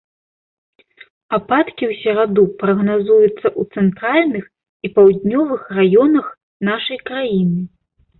Ападкі ў сераду прагназуюцца ў цэнтральных і паўднёвых раёнах нашай краіны.